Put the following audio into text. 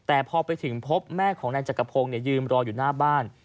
แต่พอไปถึงพบแม่ของนายจักรพงศ์ยืนรออยู่หน้าบ้าน